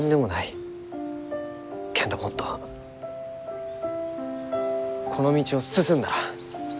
けんどもっとこの道を進んだら。